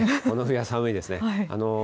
この冬は寒いですね。